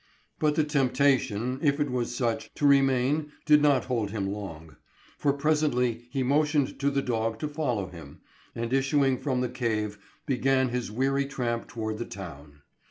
But the temptation, if it was such, to remain, did not hold him long, for presently he motioned to the dog to follow him, and issuing from the cave, began his weary tramp toward the town.